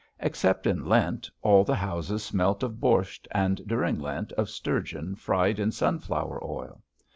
Except in Lent all the houses smelt of bortsch, and during Lent of sturgeon fried in sunflower oil.